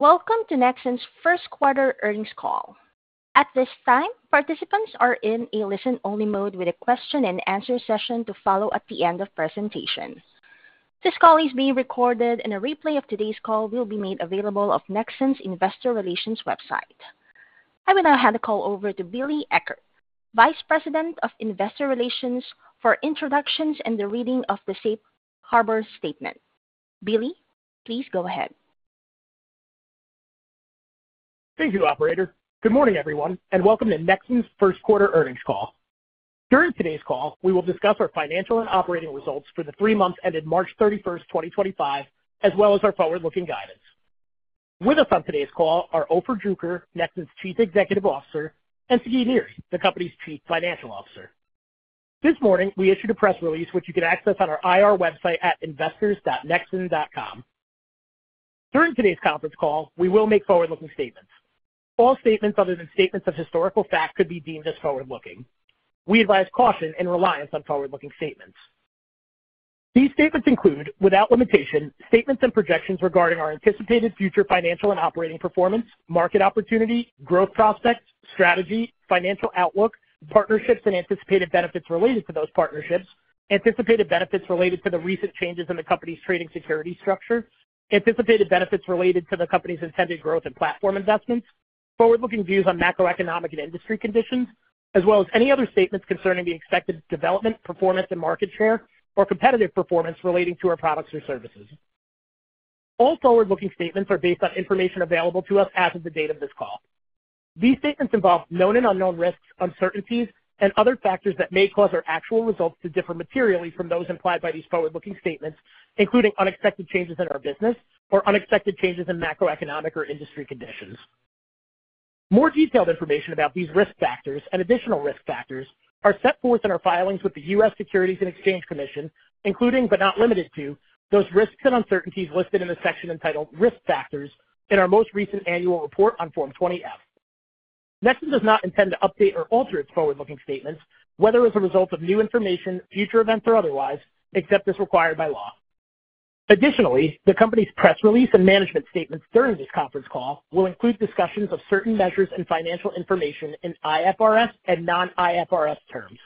Welcome to Nexxen's First Quarter Earnings Call. At this time, participants are in a listen-only mode with a question-and-answer session to follow at the end of the presentation. This call is being recorded, and a replay of today's call will be made available on Nexxen's Investor Relations website. I will now hand the call over to Billy Eckert, Vice President of Investor Relations, for introductions and the reading of the Safe Harbor Statement. Billy, please go ahead. Thank you, Operator. Good morning, everyone, and welcome to Nexxen's First Quarter Earnings Call. During today's call, we will discuss our financial and operating results for the three months ended March 31, 2025, as well as our forward-looking guidance. With us on today's call are Ofer Druker, Nexxen's Chief Executive Officer, and Sagi Niri, the company's Chief Financial Officer. This morning, we issued a press release, which you can access on our IR website at investors.nexxen.com. During today's conference call, we will make forward-looking statements. All statements other than statements of historical fact could be deemed as forward-looking. We advise caution in reliance on forward-looking statements. These statements include, without limitation, statements and projections regarding our anticipated future financial and operating performance, market opportunity, growth prospects, strategy, financial outlook, partnerships and anticipated benefits related to those partnerships, anticipated benefits related to the recent changes in the company's trading securities structure, anticipated benefits related to the company's intended growth and platform investments, forward-looking views on macroeconomic and industry conditions, as well as any other statements concerning the expected development, performance, and market share or competitive performance relating to our products or services. All forward-looking statements are based on information available to us as of the date of this call. These statements involve known and unknown risks, uncertainties, and other factors that may cause our actual results to differ materially from those implied by these forward-looking statements, including unexpected changes in our business or unexpected changes in macroeconomic or industry conditions. More detailed information about these risk factors and additional risk factors are set forth in our filings with the U.S. Securities and Exchange Commission, including but not limited to those risks and uncertainties listed in a section entitled Risk Factors in our most recent annual report on Form 20F. Nexxen does not intend to update or alter its forward-looking statements, whether as a result of new information, future events, or otherwise, except as required by law. Additionally, the company's press release and management statements during this conference call will include discussions of certain measures and financial information in IFRS and non-IFRS terms.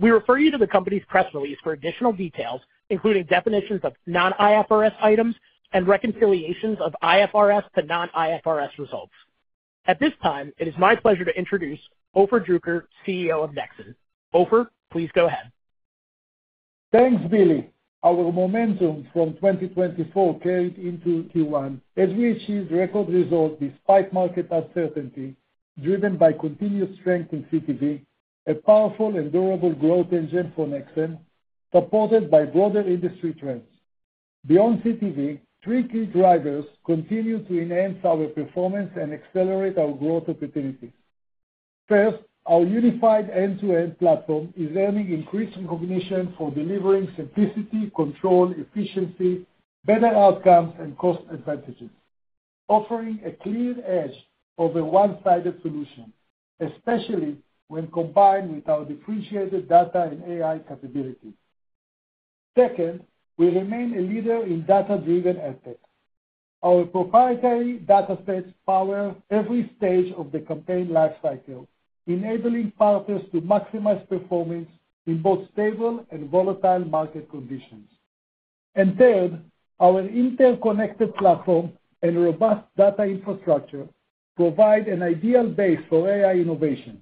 We refer you to the company's press release for additional details, including definitions of non-IFRS items and reconciliations of IFRS to non-IFRS results. At this time, it is my pleasure to introduce Ofer Druker, CEO of Nexxen. Ofer, please go ahead. Thanks, Billy. Our momentum from 2024 carried into 2021, as we achieved record results despite market uncertainty driven by continuous strength in CTV, a powerful and durable growth engine for Nexxen, supported by broader industry trends. Beyond CTV, three key drivers continue to enhance our performance and accelerate our growth opportunities. First, our unified end-to-end platform is earning increased recognition for delivering simplicity, control, efficiency, better outcomes, and cost advantages, offering a clear edge over one-sided solutions, especially when combined with our differentiated data and AI capabilities. Second, we remain a leader in data-driven ethics. Our proprietary data sets power every stage of the campaign lifecycle, enabling partners to maximize performance in both stable and volatile market conditions. Our interconnected platform and robust data infrastructure provide an ideal base for AI innovation,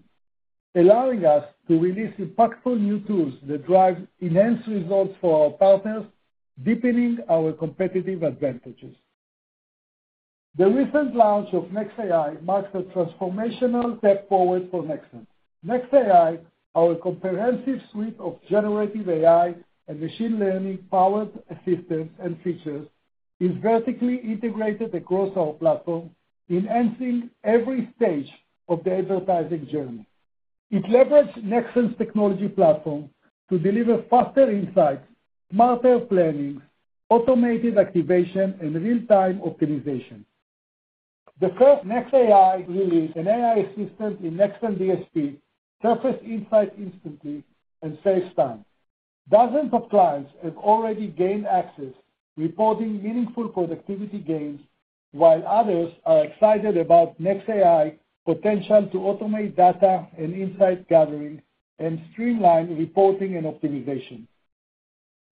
allowing us to release impactful new tools that drive enhanced results for our partners, deepening our competitive advantages. The recent launch of nexAI marks a transformational step forward for Nexxen. nexAI, our comprehensive suite of generative AI and machine learning-powered assistance and features, is vertically integrated across our platform, enhancing every stage of the advertising journey. It leverages Nexxen's technology platform to deliver faster insights, smarter planning, automated activation, and real-time optimization. The first nexAI release and AI assistant in Nexxen DSP surfaced insights instantly and saved time. Dozens of clients have already gained access, reporting meaningful productivity gains, while others are excited about nexAI's potential to automate data and insight gathering and streamline reporting and optimization.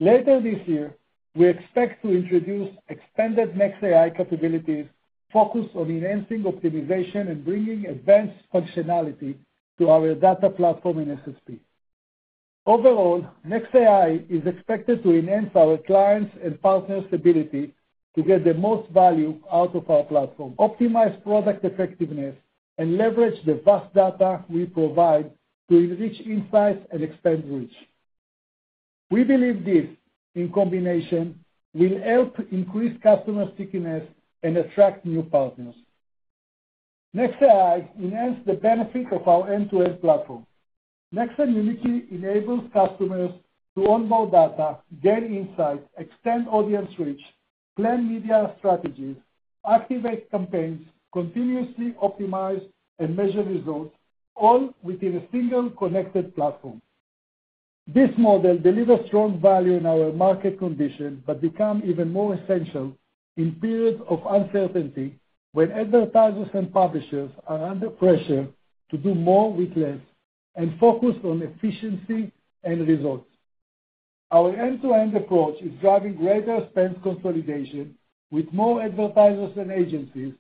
Later this year, we expect to introduce extended nexAI capabilities focused on enhancing optimization and bringing advanced functionality to our data platform in SSP. Overall, nexAI is expected to enhance our clients' and partners' ability to get the most value out of our platform, optimize product effectiveness, and leverage the vast data we provide to enrich insights and expand reach. We believe this, in combination, will help increase customer stickiness and attract new partners. nexAI enhances the benefit of our end-to-end platform. Nexxen uniquely enables customers to onboard data, gain insights, extend audience reach, plan media strategies, activate campaigns, continuously optimize and measure results, all within a single connected platform. This model delivers strong value in our market conditions but becomes even more essential in periods of uncertainty when advertisers and publishers are under pressure to do more with less and focus on efficiency and results. Our end-to-end approach is driving greater spend consolidation, with more advertisers and agencies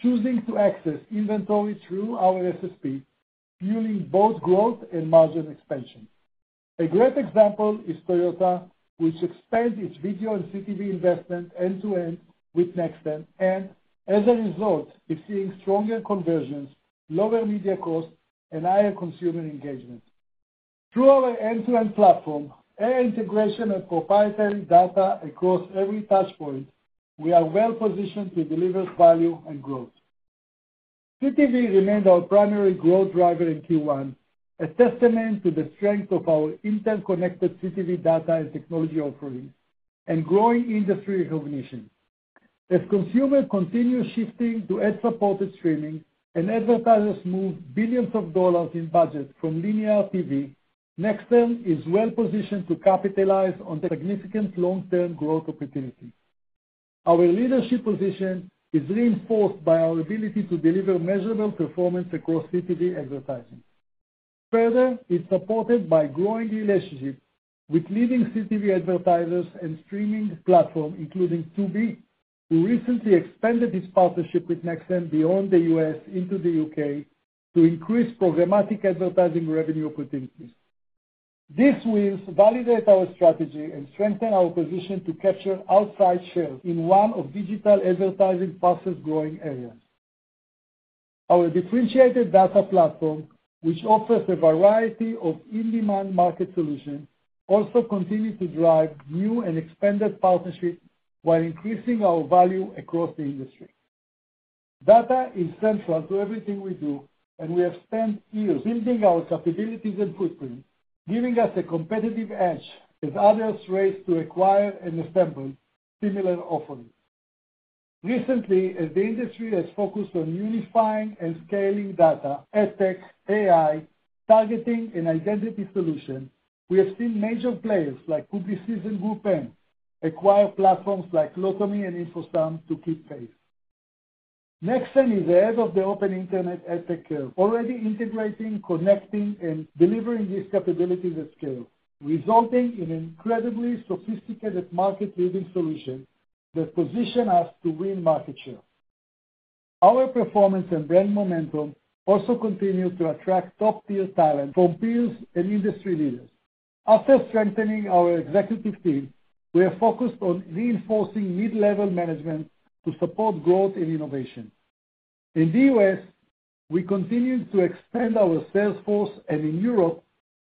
choosing to access inventory through our SSP, fueling both growth and margin expansion. A great example is Toyota, which expands its video and CTV investment end-to-end with Nexxen, and as a result, is seeing stronger conversions, lower media costs, and higher consumer engagement. Through our end-to-end platform, AI integration and proprietary data across every touchpoint, we are well-positioned to deliver value and growth. CTV remains our primary growth driver in Q1, a testament to the strength of our interconnected CTV data and technology offerings and growing industry recognition. As consumers continue shifting to ad-supported streaming and advertisers move billions of dollars in budgets from linear TV, Nexxen is well-positioned to capitalize on the significant long-term growth opportunity. Our leadership position is reinforced by our ability to deliver measurable performance across CTV advertising. Further, it's supported by growing relationships with leading CTV advertisers and streaming platforms, including Tubi, who recently expanded its partnership with Nexxen beyond the U.S. into the U.K. to increase programmatic advertising revenue opportunities. This will validate our strategy and strengthen our position to capture outside share in one of digital advertising's growing areas. Our differentiated data platform, which offers a variety of in-demand market solutions, also continues to drive new and expanded partnerships while increasing our value across the industry. Data is central to everything we do, and we have spent years building our capabilities and footprint, giving us a competitive edge as others race to acquire and assemble similar offerings. Recently, as the industry has focused on unifying and scaling data, ad tech, AI, targeting, and identity solutions, we have seen major players like Publicis and GroupM acquire platforms like Lotame and InfoSum to keep pace. Nexxen is ahead of the open internet ad tech curve, already integrating, connecting, and delivering these capabilities at scale, resulting in incredibly sophisticated market-leading solutions that position us to win market share. Our performance and brand momentum also continue to attract top-tier talent from peers and industry leaders. After strengthening our executive team, we are focused on reinforcing mid-level management to support growth and innovation. In the U.S., we continue to expand our sales force, and in Europe,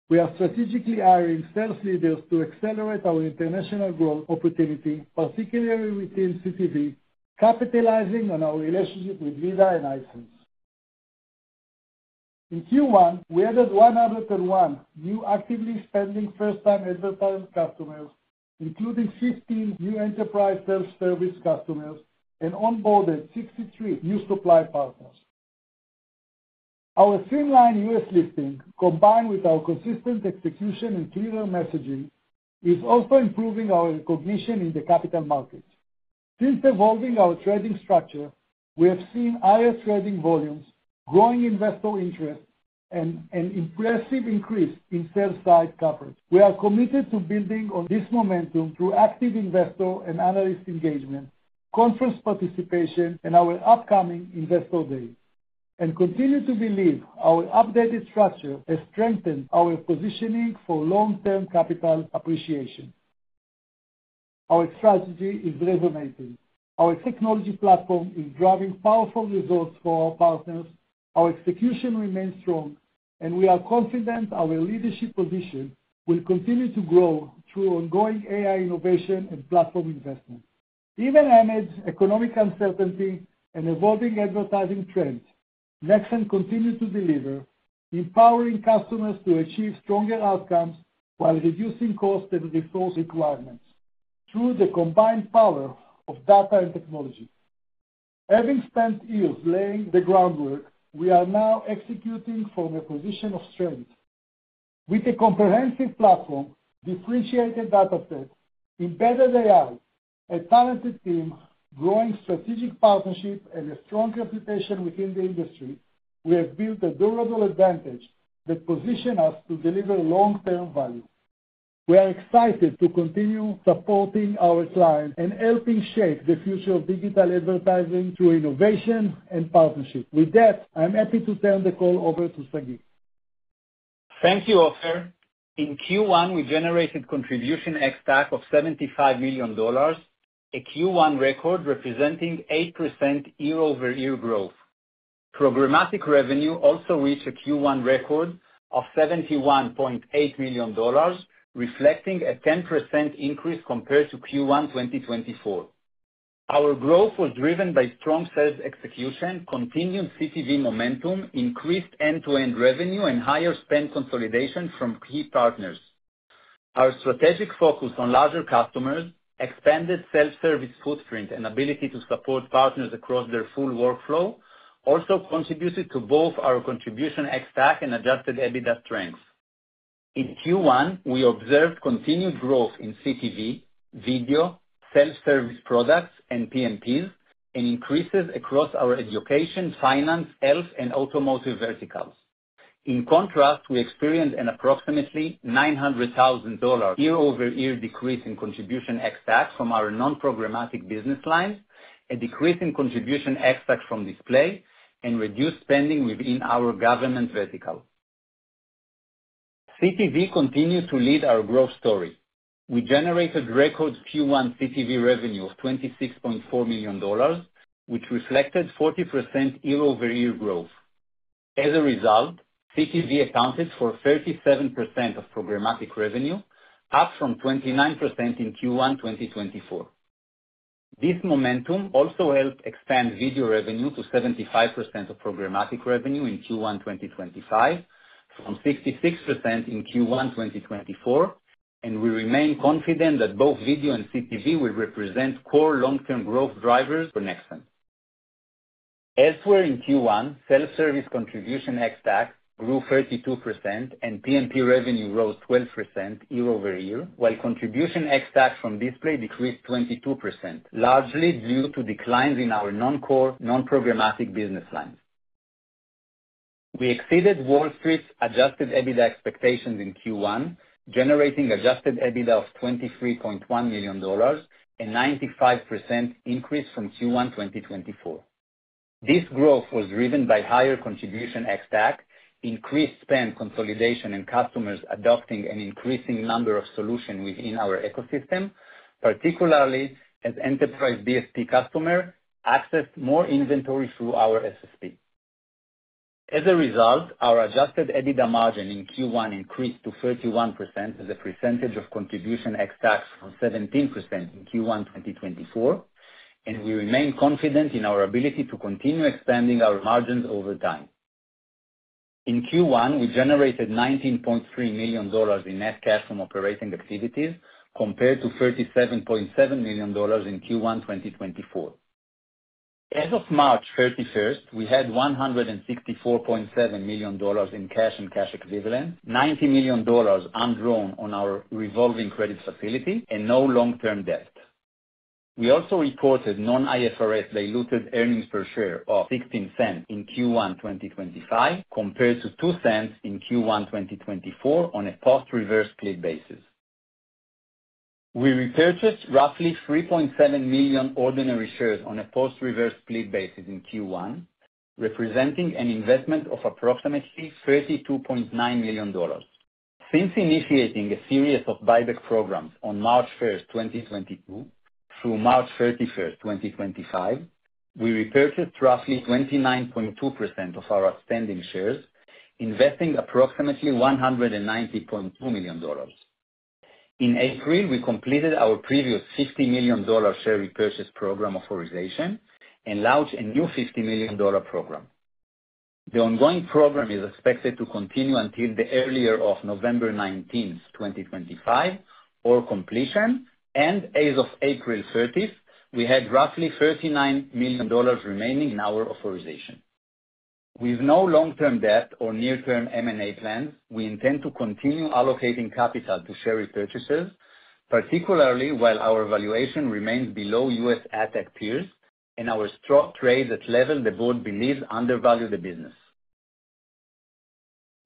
we are strategically hiring sales leaders to accelerate our international growth opportunity, particularly within CTV, capitalizing on our relationship with VIDAA and Hisense. In Q1, we added 101 new actively spending first-time advertising customers, including 15 new enterprise self-service customers, and onboarded 63 new supply partners. Our streamlined U.S. listing, combined with our consistent execution and clearer messaging, is also improving our recognition in the capital markets. Since evolving our trading structure, we have seen higher trading volumes, growing investor interest, and an impressive increase in sales side coverage. We are committed to building on this momentum through active investor and analyst engagement, conference participation, and our upcoming investor days, and continue to believe our updated structure has strengthened our positioning for long-term capital appreciation. Our strategy is resonating. Our technology platform is driving powerful results for our partners. Our execution remains strong, and we are confident our leadership position will continue to grow through ongoing AI innovation and platform investments. Even amid economic uncertainty and evolving advertising trends, Nexxen continues to deliver, empowering customers to achieve stronger outcomes while reducing cost and resource requirements through the combined power of data and technology. Having spent years laying the groundwork, we are now executing from a position of strength with a comprehensive platform, differentiated data set, embedded AI, a talented team, growing strategic partnership, and a strong reputation within the industry. We have built a durable advantage that positions us to deliver long-term value. We are excited to continue supporting our clients and helping shape the future of digital advertising through innovation and partnership. With that, I'm happy to turn the call over to Sagi. Thank you, Ofer. In Q1, we generated contribution ex-TAC of $75 million, a Q1 record representing 8% year-over-year growth. Programmatic revenue also reached a Q1 record of $71.8 million, reflecting a 10% increase compared to Q1 2024. Our growth was driven by strong sales execution, continued CTV momentum, increased end-to-end revenue, and higher spend consolidation from key partners. Our strategic focus on larger customers, expanded self-service footprint, and ability to support partners across their full workflow also contributed to both our contribution ex-TAC and adjusted EBITDA strength. In Q1, we observed continued growth in CTV, video, self-service products, and PMPs, and increases across our education, finance, health, and automotive verticals. In contrast, we experienced an approximately $900,000 year-over-year decrease in contribution ex-TAC from our non-programmatic business lines, a decrease in contribution ex-TAC from display, and reduced spending within our government vertical. CTV continued to lead our growth story. We generated record Q1 CTV revenue of $26.4 million, which reflected 40% year-over-year growth. As a result, CTV accounted for 37% of programmatic revenue, up from 29% in Q1 2023. This momentum also helped expand video revenue to 75% of programmatic revenue in Q1 2023, from 66% in Q1 2024, and we remain confident that both video and CTV will represent core long-term growth drivers for Nexxen. Elsewhere in Q1, self-service contribution ex-TAC grew 32%, and PMP revenue rose 12% year-over-year, while contribution ex-TAC from display decreased 22%, largely due to declines in our non-core, non-programmatic business lines. We exceeded Wall Street's adjusted EBITDA expectations in Q1, generating adjusted EBITDA of $23.1 million, a 95% increase from Q1 2024. This growth was driven by higher contribution ex-TAC, increased spend consolidation, and customers adopting an increasing number of solutions within our ecosystem, particularly as enterprise DSP customers accessed more inventory through our SSP. As a result, our adjusted EBITDA margin in Q1 increased to 31% as a percentage of contribution ex-TAC from 17% in Q1 2024, and we remain confident in our ability to continue expanding our margins over time. In Q1, we generated $19.3 million in net cash from operating activities, compared to $37.7 million in Q1 2024. As of March 31, we had $164.7 million in cash and cash equivalents, $90 million undrawn on our revolving credit facility, and no long-term debt. We also reported non-IFRS diluted earnings per share of $0.16 in Q1 2025, compared to $0.02 in Q1 2024 on a post-reverse split basis. We repurchased roughly 3.7 million ordinary shares on a post-reverse split basis in Q1, representing an investment of approximately $32.9 million. Since initiating a series of buyback programs on March 1, 2022, through March 31, 2025, we repurchased roughly 29.2% of our outstanding shares, investing approximately $190.2 million. In April, we completed our previous $50 million share repurchase program authorization and launched a new $50 million program. The ongoing program is expected to continue until the earlier of November 19, 2025, or completion, and as of April 30, we had roughly $39 million remaining in our authorization. With no long-term debt or near-term M&A plans, we intend to continue allocating capital to share repurchases, particularly while our valuation remains below U.S. ATAC peers and our stock trades at levels the board believes undervalue the business.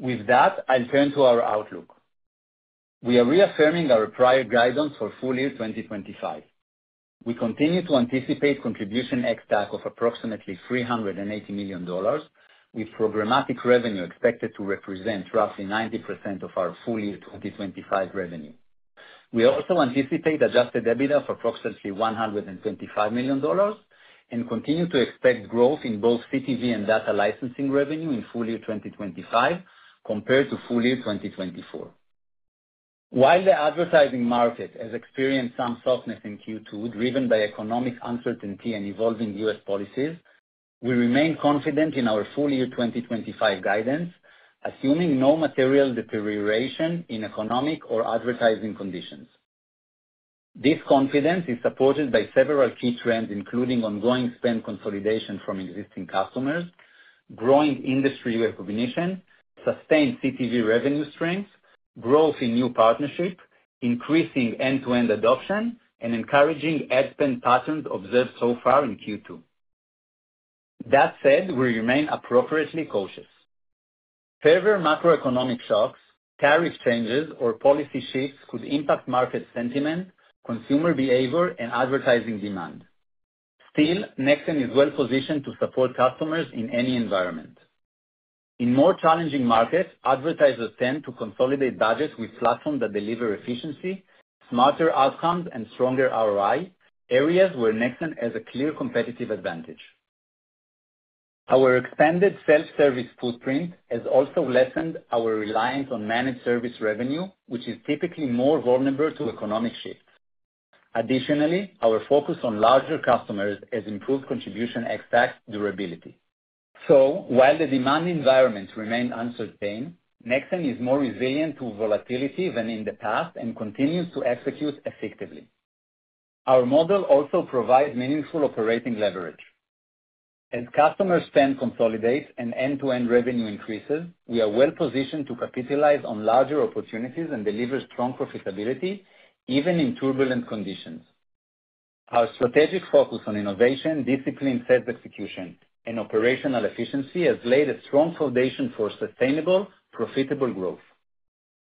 With that, I'll turn to our outlook. We are reaffirming our prior guidance for full year 2025. We continue to anticipate contribution ex-TAC of approximately $380 million, with programmatic revenue expected to represent roughly 90% of our full year 2025 revenue. We also anticipate adjusted EBITDA of approximately $125 million and continue to expect growth in both CTV and data licensing revenue in full year 2025 compared to full year 2024. While the advertising market has experienced some softness in Q2, driven by economic uncertainty and evolving U.S. policies, we remain confident in our full year 2025 guidance, assuming no material deterioration in economic or advertising conditions. This confidence is supported by several key trends, including ongoing spend consolidation from existing customers, growing industry recognition, sustained CTV revenue strength, growth in new partnerships, increasing end-to-end adoption, and encouraging ad spend patterns observed so far in Q2. That said, we remain appropriately cautious. Further macroeconomic shocks, tariff changes, or policy shifts could impact market sentiment, consumer behavior, and advertising demand. Still, Nexxen is well-positioned to support customers in any environment. In more challenging markets, advertisers tend to consolidate budgets with platforms that deliver efficiency, smarter outcomes, and stronger ROI, areas where Nexxen has a clear competitive advantage. Our expanded self-service footprint has also lessened our reliance on managed service revenue, which is typically more vulnerable to economic shifts. Additionally, our focus on larger customers has improved contribution ex-TAC durability. While the demand environment remained uncertain, Nexxen is more resilient to volatility than in the past and continues to execute effectively. Our model also provides meaningful operating leverage. As customer spend consolidates and end-to-end revenue increases, we are well-positioned to capitalize on larger opportunities and deliver strong profitability even in turbulent conditions. Our strategic focus on innovation, disciplined sales execution, and operational efficiency has laid a strong foundation for sustainable, profitable growth.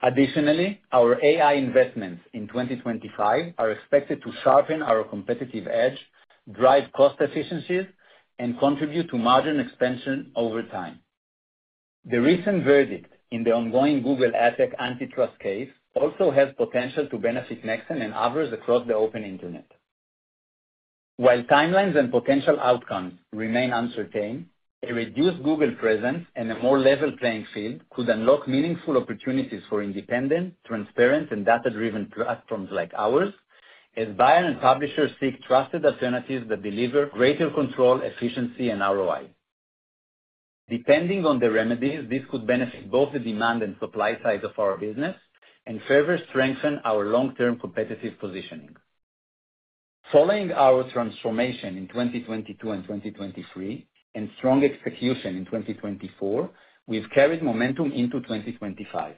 Additionally, our AI investments in 2025 are expected to sharpen our competitive edge, drive cost efficiencies, and contribute to margin expansion over time. The recent verdict in the ongoing Google antitrust case also has potential to benefit Nexxen and others across the open internet. While timelines and potential outcomes remain uncertain, a reduced Google presence and a more level playing field could unlock meaningful opportunities for independent, transparent, and data-driven platforms like ours, as buyers and publishers seek trusted alternatives that deliver greater control, efficiency, and ROI. Depending on the remedies, this could benefit both the demand and supply side of our business and further strengthen our long-term competitive positioning. Following our transformation in 2022 and 2023 and strong execution in 2024, we've carried momentum into 2025.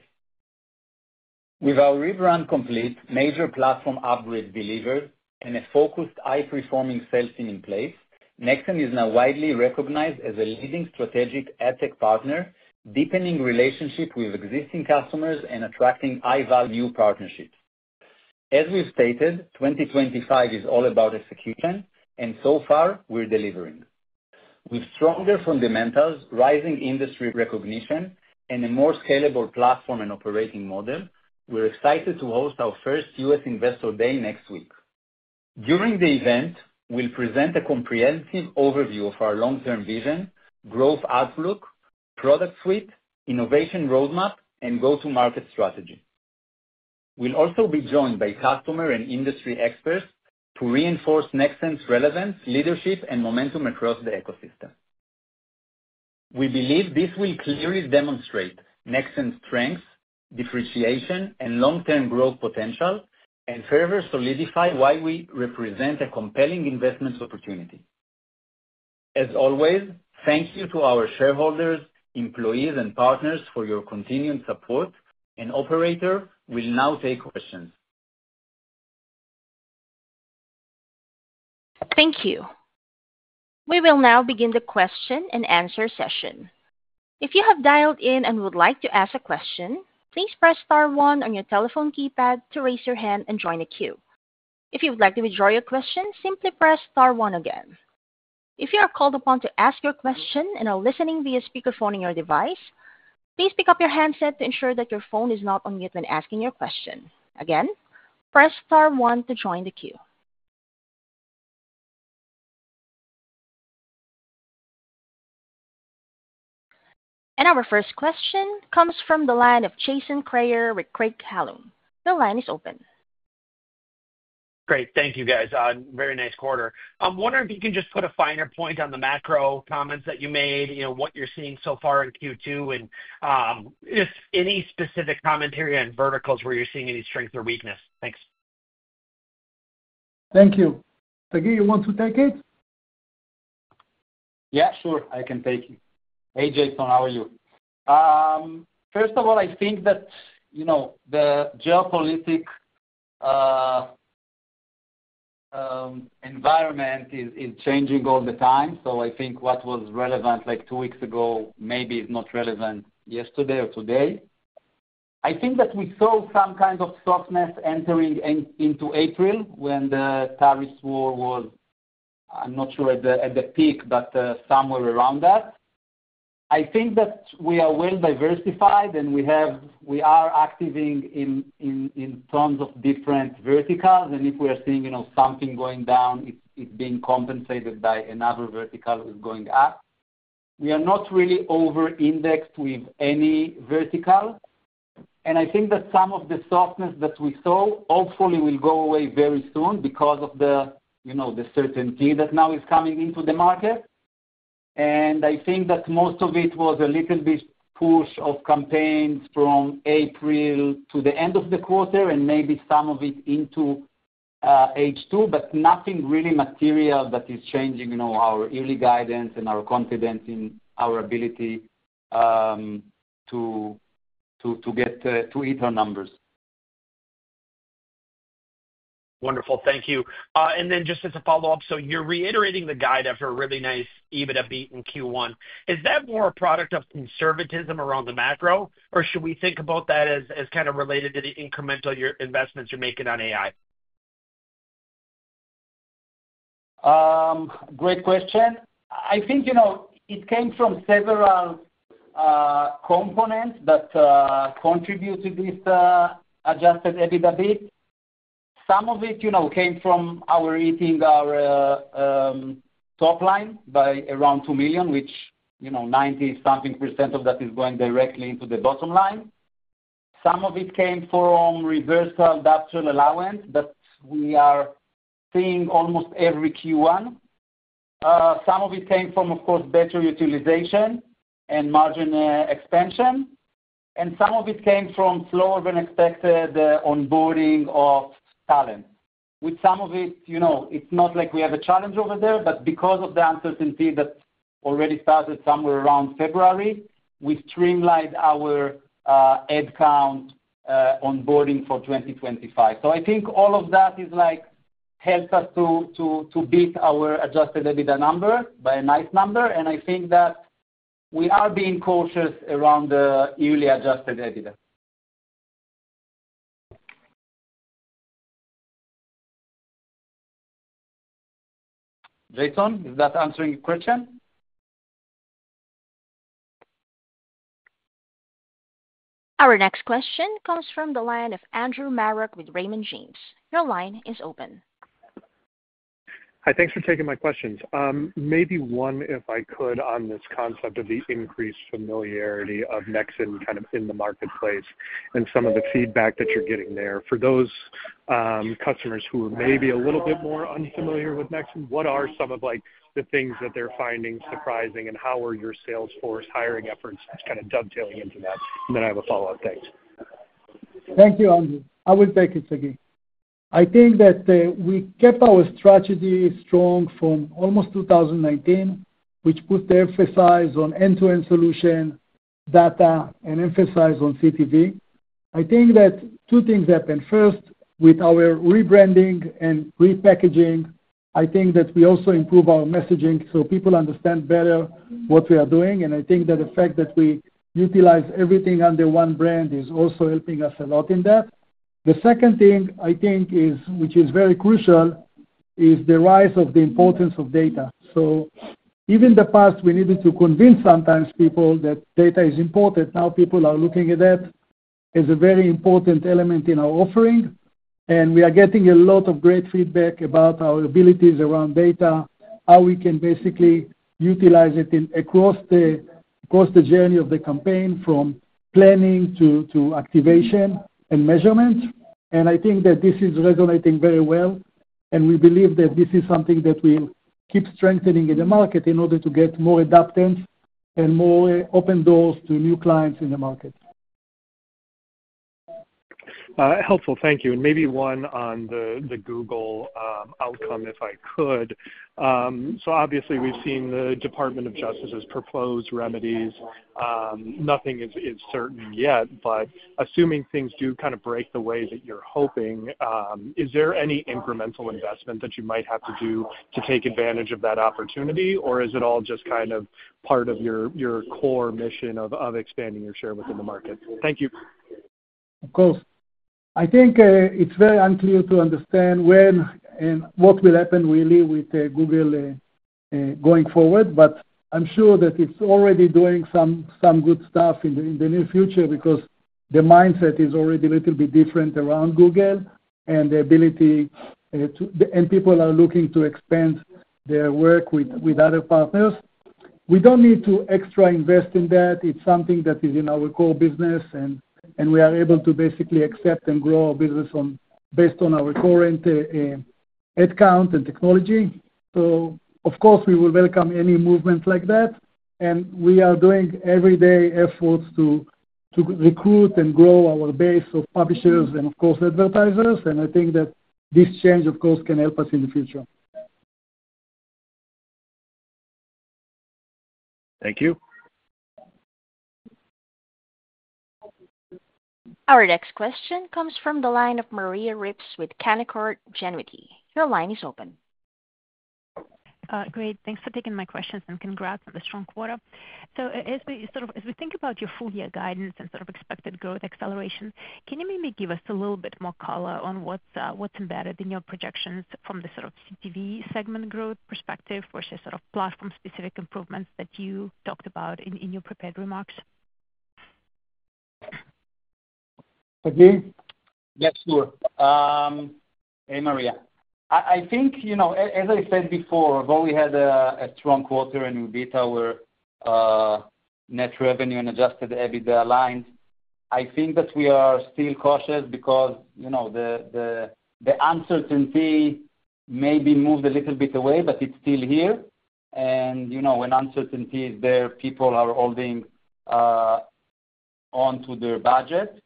With our rebrand complete, major platform upgrades delivered, and a focused high-performing sales team in place, Nexxen is now widely recognized as a leading strategic ATAC partner, deepening relationships with existing customers and attracting high-value new partnerships. As we've stated, 2025 is all about execution, and so far, we're delivering. With stronger fundamentals, rising industry recognition, and a more scalable platform and operating model, we're excited to host our first U.S. Investor Day next week. During the event, we'll present a comprehensive overview of our long-term vision, growth outlook, product suite, innovation roadmap, and go-to-market strategy. We'll also be joined by customer and industry experts to reinforce Nexxen's relevance, leadership, and momentum across the ecosystem. We believe this will clearly demonstrate Nexxen's strengths, differentiation, and long-term growth potential, and further solidify why we represent a compelling investment opportunity. As always, thank you to our shareholders, employees, and partners for your continued support, and Operator will now take questions. Thank you. We will now begin the question and answer session. If you have dialed in and would like to ask a question, please press star one on your telephone keypad to raise your hand and join the queue. If you would like to withdraw your question, simply press star one again. If you are called upon to ask your question and are listening via speakerphone on your device, please pick up your handset to ensure that your phone is not on mute when asking your question. Again, press star one to join the queue. Our first question comes from the line of Jason Kreyer with Craig-Hallum. The line is open. Great. Thank you, guys. Very nice quarter. I'm wondering if you can just put a finer point on the macro comments that you made, what you're seeing so far in Q2, and just any specific commentary on verticals where you're seeing any strength or weakness. Thanks. Thank you. Sagi, you want to take it? Yeah, sure. I can take it. Hey, Jason, how are you? First of all, I think that the geopolitic environment is changing all the time. I think what was relevant two weeks ago maybe is not relevant yesterday or today. I think that we saw some kind of softness entering into April when the tariffs war was, I'm not sure, at the peak, but somewhere around that. I think that we are well-diversified, and we are activating in tons of different verticals. If we are seeing something going down, it's being compensated by another vertical that's going up. We are not really over-indexed with any vertical. I think that some of the softness that we saw, hopefully, will go away very soon because of the certainty that now is coming into the market. I think that most of it was a little bit push of campaigns from April to the end of the quarter and maybe some of it into H2, but nothing really material that is changing our early guidance and our confidence in our ability to get to eat our numbers. Wonderful. Thank you. Just as a follow-up, you are reiterating the guide after a really nice EBITDA beat in Q1. Is that more a product of conservatism around the macro, or should we think about that as kind of related to the incremental investments you are making on AI? Great question. I think it came from several components that contribute to this adjusted EBITDA beat. Some of it came from our hitting our top line by around $2 million, which 90-something percent of that is going directly into the bottom line. Some of it came from reversal adoption allowance that we are seeing almost every Q1. Some of it came from, of course, better utilization and margin expansion. And some of it came from slower than expected onboarding of talent. With some of it, it's not like we have a challenge over there, but because of the uncertainty that already started somewhere around February, we streamlined our headcount onboarding for 2025. I think all of that helped us to beat our adjusted EBITDA number by a nice number. I think that we are being cautious around the early adjusted EBITDA. Jason, is that answering your question? Our next question comes from the line of Andrew Marok with Raymond James. Your line is open. Hi, thanks for taking my questions. Maybe one, if I could, on this concept of the increased familiarity of Nexxen kind of in the marketplace and some of the feedback that you're getting there. For those customers who are maybe a little bit more unfamiliar with Nexxen, what are some of the things that they're finding surprising, and how are your sales force hiring efforts kind of dovetailing into that? I have a follow-up. Thanks. Thank you, Andrew. I will take it, Sagi. I think that we kept our strategy strong from almost 2019, which put the emphasis on end-to-end solution, data, and emphasis on CTV. I think that two things happened. First, with our rebranding and repackaging, I think that we also improve our messaging so people understand better what we are doing. I think that the fact that we utilize everything under one brand is also helping us a lot in that. The second thing I think is, which is very crucial, is the rise of the importance of data. Even in the past, we needed to convince sometimes people that data is important. Now people are looking at that as a very important element in our offering. We are getting a lot of great feedback about our abilities around data, how we can basically utilize it across the journey of the campaign from planning to activation and measurement. I think that this is resonating very well. We believe that this is something that we'll keep strengthening in the market in order to get more adaptance and more open doors to new clients in the market. Helpful. Thank you. Maybe one on the Google outcome, if I could. Obviously, we've seen the Department of Justice's proposed remedies. Nothing is certain yet, but assuming things do kind of break the way that you're hoping, is there any incremental investment that you might have to do to take advantage of that opportunity, or is it all just kind of part of your core mission of expanding your share within the market? Thank you. Of course. I think it's very unclear to understand when and what will happen really with Google going forward, but I'm sure that it's already doing some good stuff in the near future because the mindset is already a little bit different around Google and the ability to, and people are looking to expand their work with other partners. We don't need to extra invest in that. It's something that is in our core business, and we are able to basically accept and grow our business based on our current headcount and technology. Of course, we will welcome any movements like that. We are doing everyday efforts to recruit and grow our base of publishers and, of course, advertisers. I think that this change, of course, can help us in the future. Thank you. Our next question comes from the line of Maria Ripps with Canaccord Genuity. Your line is open. Great. Thanks for taking my questions and congrats on the strong quarter. As we think about your full-year guidance and sort of expected growth acceleration, can you maybe give us a little bit more color on what's embedded in your projections from the sort of CTV segment growth perspective versus sort of platform-specific improvements that you talked about in your prepared remarks? Sagir? Yes, sure. Hey, Maria. I think, as I said before, although we had a strong quarter and we beat our net revenue and adjusted EBITDA lines, I think that we are still cautious because the uncertainty may be moved a little bit away, but it's still here. When uncertainty is there, people are holding on to their budget.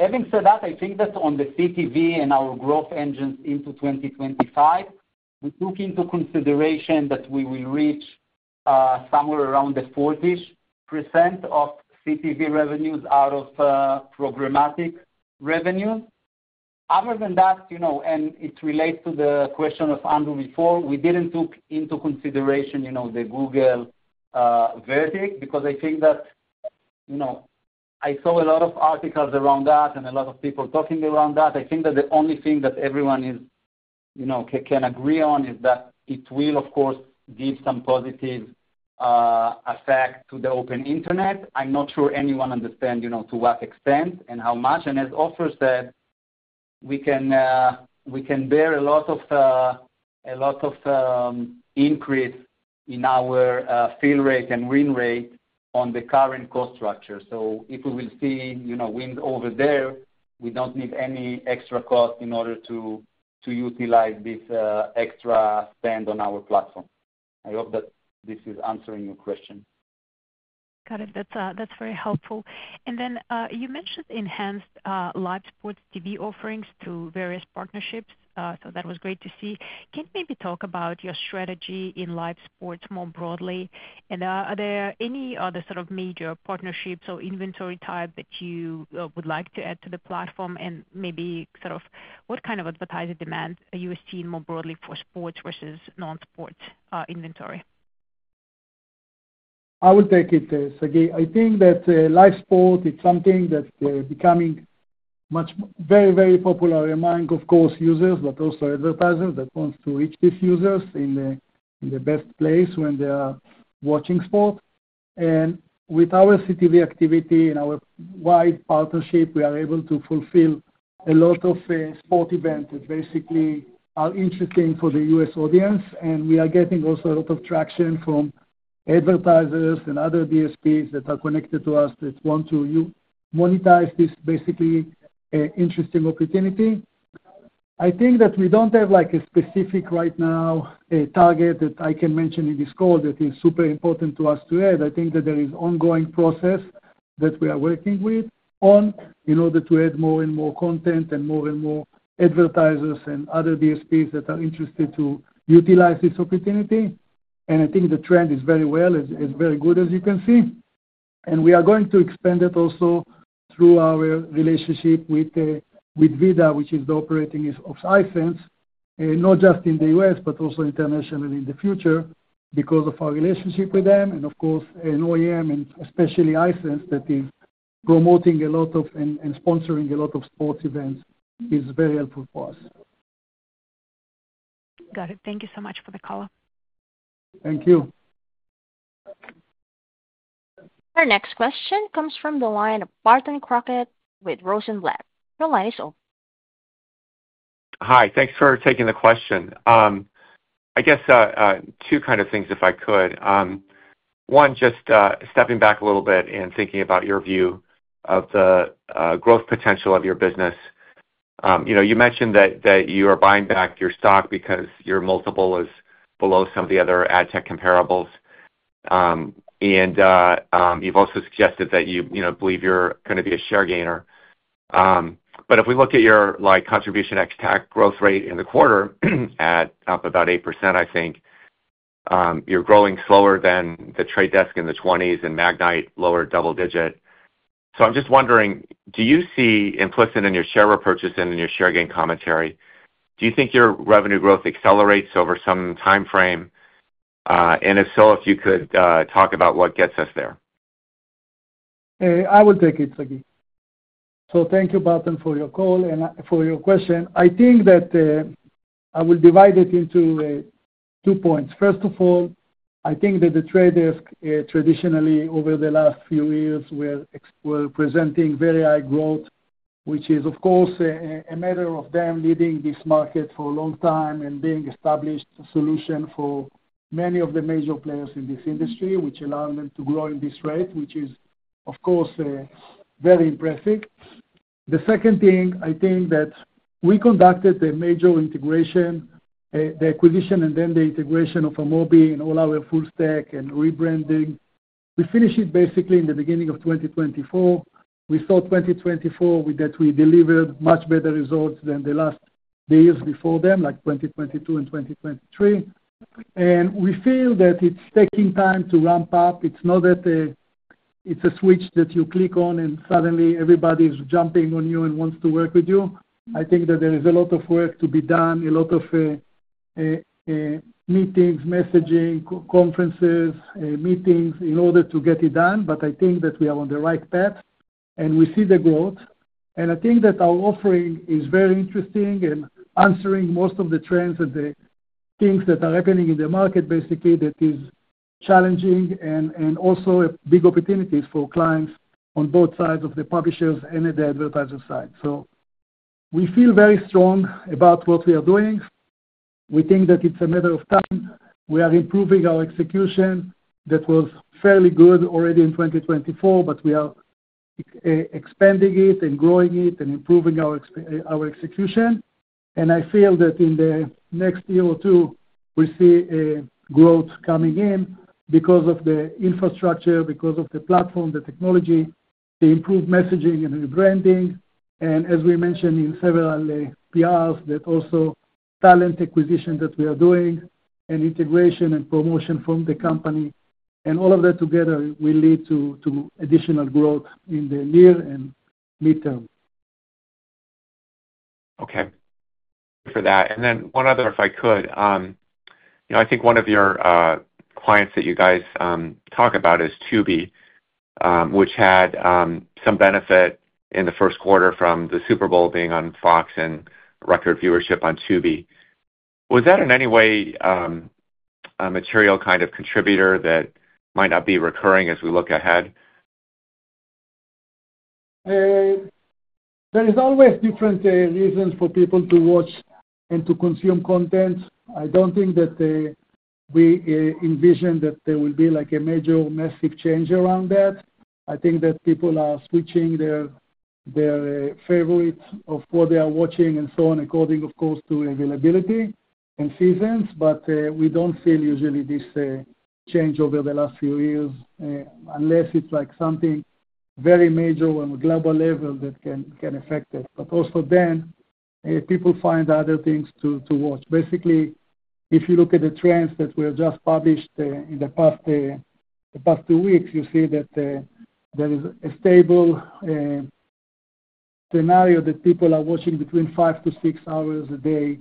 Having said that, I think that on the CTV and our growth engines into 2025, we took into consideration that we will reach somewhere around the 40% of CTV revenues out of programmatic revenues. Other than that, and it relates to the question of Andrew before, we did not take into consideration the Google verdict because I think that I saw a lot of articles around that and a lot of people talking around that. I think that the only thing that everyone can agree on is that it will, of course, give some positive effect to the open internet. I'm not sure anyone understands to what extent and how much. As Ofer said, we can bear a lot of increase in our fill rate and win rate on the current cost structure. If we will see wins over there, we do not need any extra cost in order to utilize this extra spend on our platform. I hope that this is answering your question. Got it. That's very helpful. You mentioned enhanced live sports TV offerings to various partnerships. That was great to see. Can you maybe talk about your strategy in live sports more broadly? Are there any other sort of major partnerships or inventory type that you would like to add to the platform? Maybe sort of what kind of advertiser demand are you seeing more broadly for sports versus non-sports inventory? I will take it, Sagi. I think that live sport is something that's becoming very, very popular among, of course, users, but also advertisers that want to reach these users in the best place when they are watching sport. With our CTV activity and our wide partnership, we are able to fulfill a lot of sport events that basically are interesting for the U.S. audience. We are getting also a lot of traction from advertisers and other DSPs that are connected to us that want to monetize this basically interesting opportunity. I think that we do not have a specific right now target that I can mention in this call that is super important to us to add. I think that there is an ongoing process that we are working on in order to add more and more content and more and more advertisers and other DSPs that are interested to utilize this opportunity. I think the trend is very well. It's very good, as you can see. We are going to expand it also through our relationship with VIDAA, which is the operating of Hisense, not just in the U.S., but also internationally in the future because of our relationship with them. Of course, OEM, and especially Hisense, that is promoting a lot of and sponsoring a lot of sports events is very helpful for us. Got it. Thank you so much for the call. Thank you. Our next question comes from the line of Barton Crockett with Rosenblatt. Your line is open. Hi. Thanks for taking the question. I guess two kind of things, if I could. One, just stepping back a little bit and thinking about your view of the growth potential of your business. You mentioned that you are buying back your stock because your multiple is below some of the other ad tech comparables. You have also suggested that you believe you are going to be a share gainer. If we look at your contribution ex-TAC growth rate in the quarter at up about 8%, I think you are growing slower than The Trade Desk in the 20s and Magnite lower double digit. I am just wondering, do you see implicit in your share repurchase and in your share gain commentary, do you think your revenue growth accelerates over some time frame? If so, if you could talk about what gets us there. I will take it, Sagi. Thank you, Barton, for your call and for your question. I think that I will divide it into two points. First of all, I think that The Trade Desk traditionally over the last few years were presenting very high growth, which is, of course, a matter of them leading this market for a long time and being established a solution for many of the major players in this industry, which allows them to grow in this rate, which is, of course, very impressive. The second thing, I think that we conducted the major integration, the acquisition, and then the integration of Amobee and all our full stack and rebranding. We finished it basically in the beginning of 2024. We saw 2024 that we delivered much better results than the last years before them, like 2022 and 2023. We feel that it's taking time to ramp up. It's not that it's a switch that you click on and suddenly everybody is jumping on you and wants to work with you. I think that there is a lot of work to be done, a lot of meetings, messaging, conferences, meetings in order to get it done. I think that we are on the right path. We see the growth. I think that our offering is very interesting and answering most of the trends and the things that are happening in the market, basically, that is challenging and also big opportunities for clients on both sides of the publishers and the advertisers' side. We feel very strong about what we are doing. We think that it's a matter of time. We are improving our execution that was fairly good already in 2024, but we are expanding it and growing it and improving our execution. I feel that in the next year or two, we see growth coming in because of the infrastructure, because of the platform, the technology, the improved messaging and rebranding. As we mentioned in several PRs, that also talent acquisition that we are doing and integration and promotion from the company. All of that together will lead to additional growth in the near and midterm. Okay. For that. And then one other, if I could, I think one of your clients that you guys talk about is Tubi, which had some benefit in the first quarter from the Super Bowl being on Fox and record viewership on Tubi. Was that in any way a material kind of contributor that might not be recurring as we look ahead? There is always different reasons for people to watch and to consume content. I don't think that we envision that there will be a major massive change around that. I think that people are switching their favorites of what they are watching and so on, according, of course, to availability and seasons. We don't feel usually this change over the last few years unless it's something very major on a global level that can affect it. Also then, people find other things to watch. Basically, if you look at the trends that were just published in the past two weeks, you see that there is a stable scenario that people are watching between five to six hours a day,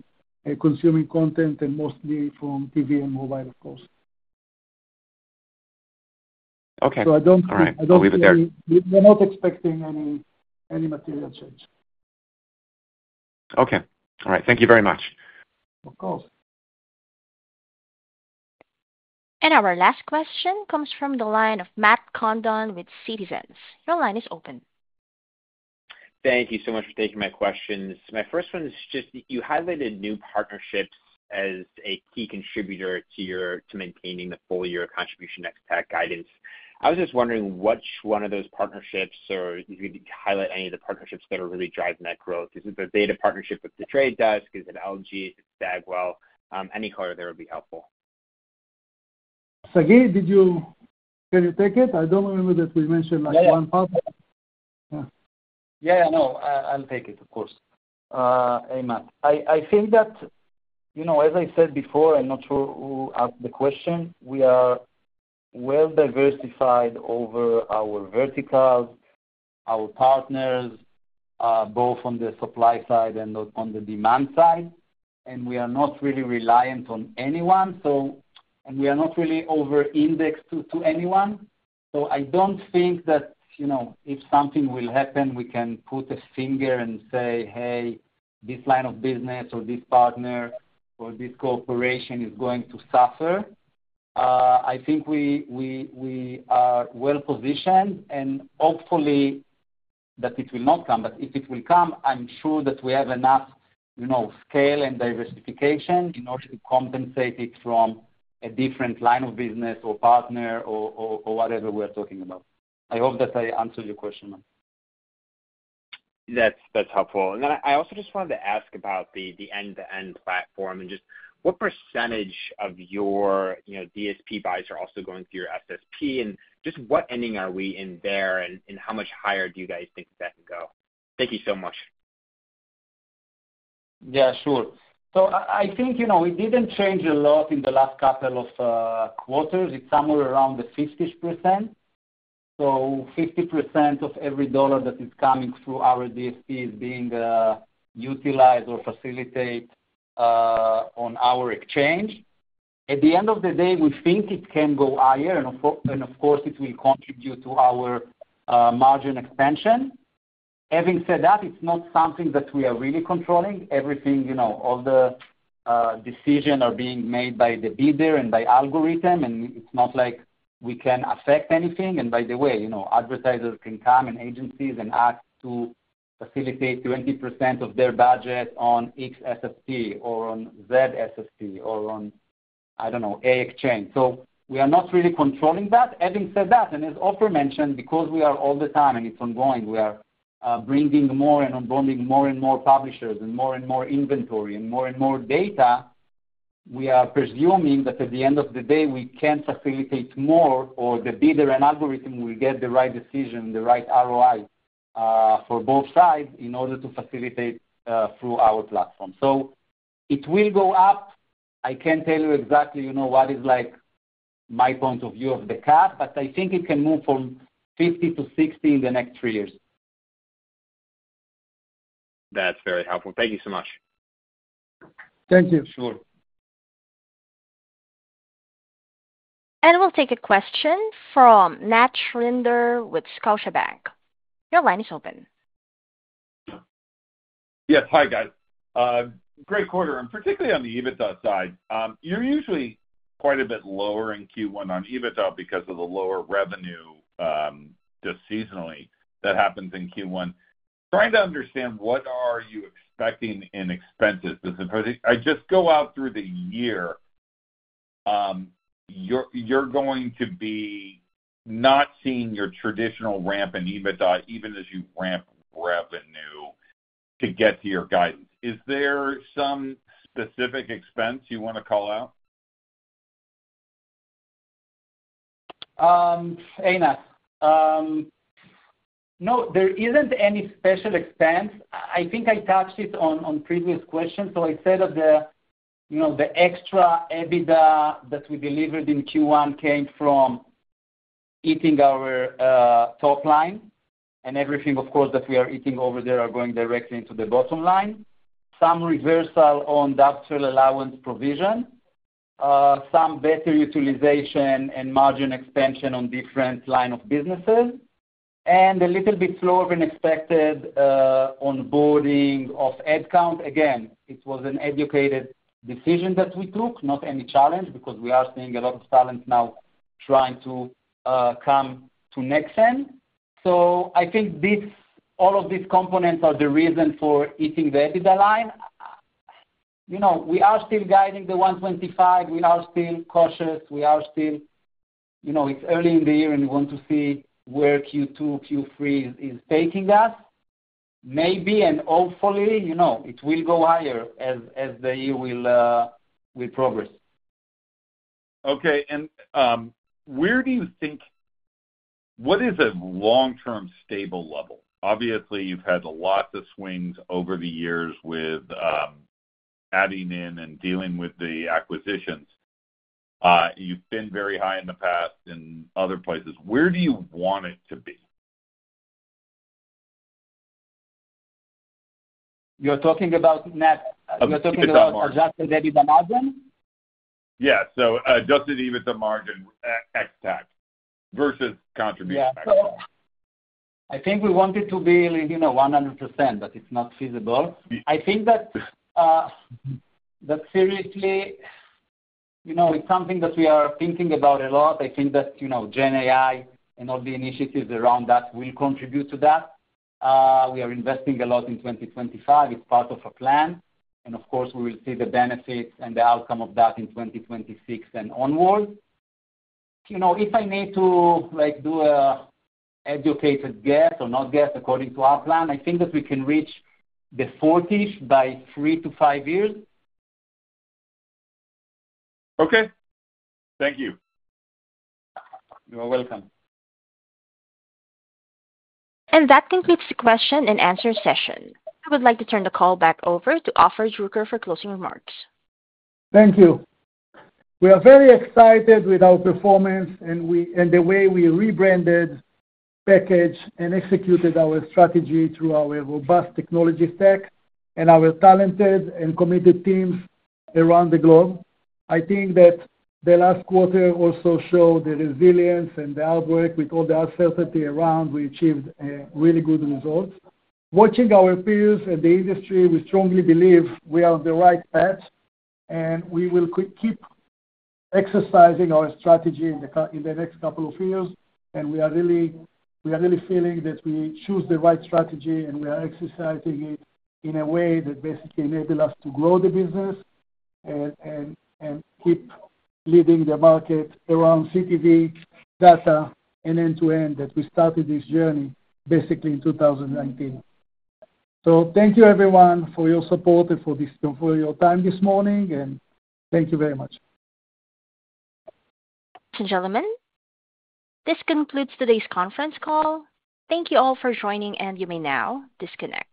consuming content and mostly from TV and mobile, of course. Okay. All right. I'll leave it there. We're not expecting any material change. Okay. All right. Thank you very much. Of course. Our last question comes from the line of Matt Condon with Citizens. Your line is open. Thank you so much for taking my questions. My first one is just you highlighted new partnerships as a key contributor to maintaining the full-year contribution ex-TAC guidance. I was just wondering which one of those partnerships or if you could highlight any of the partnerships that are really driving that growth. Is it the data partnership with The Trade Desk? Is it LG? Is it Bagwell? Any color there would be helpful. Sagi, can you take it? I don't remember that we mentioned like one partner. Yeah. Yeah, yeah, no. I'll take it, of course. Hey, Matt. I think that, as I said before, I'm not sure who asked the question. We are well diversified over our verticals, our partners, both on the supply side and on the demand side. We are not really reliant on anyone. We are not really over-indexed to anyone. I don't think that if something will happen, we can put a finger and say, "Hey, this line of business or this partner or this corporation is going to suffer." I think we are well positioned and hopefully that it will not come. If it will come, I'm sure that we have enough scale and diversification in order to compensate it from a different line of business or partner or whatever we are talking about. I hope that I answered your question, Matt. That's helpful. I also just wanted to ask about the end-to-end platform and just what percentage of your DSP buys are also going through your SSP? Just what ending are we in there? How much higher do you guys think that can go? Thank you so much. Yeah, sure. I think we did not change a lot in the last couple of quarters. It is somewhere around the 50%. So 50% of every dollar that is coming through our DSP is being utilized or facilitated on our exchange. At the end of the day, we think it can go higher. It will contribute to our margin expansion. Having said that, it is not something that we are really controlling. Everything, all the decisions are being made by the bidder and by algorithm. It is not like we can affect anything. By the way, advertisers can come and agencies and ask to facilitate 20% of their budget on XSSP or on ZSSP or on, I do not know, A exchange. We are not really controlling that. Having said that, and as Ofer mentioned, because we are all the time and it's ongoing, we are bringing more and onboarding more and more publishers and more and more inventory and more and more data, we are presuming that at the end of the day, we can facilitate more or the bidder and algorithm will get the right decision and the right ROI for both sides in order to facilitate through our platform. It will go up. I can't tell you exactly what is my point of view of the cap, but I think it can move from 50 to 60 in the next three years. That's very helpful. Thank you so much. Thank you. Sure. We will take a question from Nat Schindler with Scotiabank. Your line is open. Yes. Hi, guys. Great quarter. And particularly on the EBITDA side, you're usually quite a bit lower in Q1 on EBITDA because of the lower revenue just seasonally that happens in Q1. Trying to understand what are you expecting in expenses. I just go out through the year, you're going to be not seeing your traditional ramp in EBITDA, even as you ramp revenue to get to your guidance. Is there some specific expense you want to call out? Hey, Matt. No, there isn't any special expense. I think I touched it on previous questions. I said that the extra EBITDA that we delivered in Q1 came from eating our top line. Everything, of course, that we are eating over there is going directly into the bottom line. Some reversal on doctoral allowance provision, some better utilization and margin expansion on different lines of businesses, and a little bit slower than expected onboarding of headcount. Again, it was an educated decision that we took, not any challenge because we are seeing a lot of talent now trying to come to Nexxen. I think all of these components are the reason for eating the EBITDA line. We are still guiding the $125 [million]. We are still cautious. It is early in the year and we want to see where Q2, Q3 is taking us. Maybe and hopefully, it will go higher as the year will progress. Okay. Where do you think what is a long-term stable level? Obviously, you've had lots of swings over the years with adding in and dealing with the acquisitions. You've been very high in the past in other places. Where do you want it to be? You're talking about, Matt, you're talking about adjusted EBITDA margin? Yeah. So adjusted EBITDA margin ex-TAC versus contribution ex-TAC. Yeah. I think we want it to be 100%, but it's not feasible. I think that seriously, it's something that we are thinking about a lot. I think that GenAI and all the initiatives around that will contribute to that. We are investing a lot in 2025. It's part of our plan. Of course, we will see the benefits and the outcome of that in 2026 and onward. If I need to do an educated guess or not guess according to our plan, I think that we can reach the 40s by three to five years. Okay. Thank you. You're welcome. That concludes the question and answer session. I would like to turn the call back over to Ofer Druker for closing remarks. Thank you. We are very excited with our performance and the way we rebranded, packaged, and executed our strategy through our robust technology stack and our talented and committed teams around the globe. I think that the last quarter also showed the resilience and the hard work with all the uncertainty around. We achieved really good results. Watching our peers and the industry, we strongly believe we are on the right path. We will keep exercising our strategy in the next couple of years. We are really feeling that we choose the right strategy and we are exercising it in a way that basically enables us to grow the business and keep leading the market around CTV, data, and end-to-end that we started this journey basically in 2019. Thank you, everyone, for your support and for your time this morning. Thank you very much. Gentlemen, this concludes today's conference call. Thank you all for joining, and you may now disconnect.